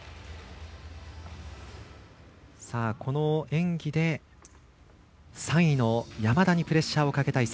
この演技で３位の山田にプレッシャーをかけたい